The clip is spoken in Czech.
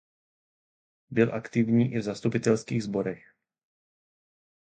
Byl aktivní i v zastupitelských sborech.